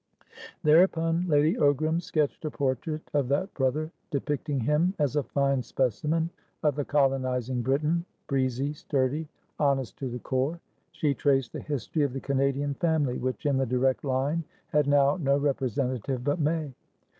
Thereupon Lady Ogram sketched a portrait of that brother, depicting him as a fine specimen of the colonising Briton, breezy, sturdy, honest to the core. She traced the history of the Canadian family, which in the direct line had now no representative but May.